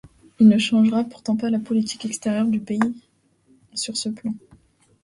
Il ne changera pourtant pas la politique extérieure du pays sur ce plan.